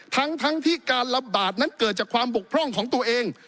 ทั้งที่การระบาดนั้นเกิดจากความบกพร่องของตัวเอง